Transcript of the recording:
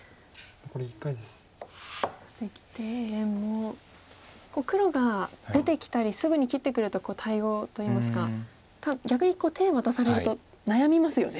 関天元も黒が出てきたりすぐに切ってくると対応といいますかただ逆に手渡されると悩みますよね。